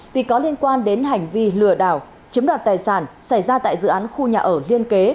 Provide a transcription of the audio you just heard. vì có liên quan đến hành vi lừa đảo chiếm đoạt tài sản xảy ra tại dự án khu nhà ở liên kế